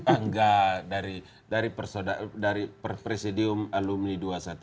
angga dari presidium alumni dua ratus dua belas